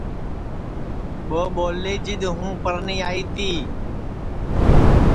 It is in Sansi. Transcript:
ٻو ٻولی جِدؔ ہوں پرنی آئی تی